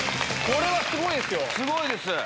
これはすごいですよ。